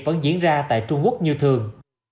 vẫn diễn ra tại trung quốc như thường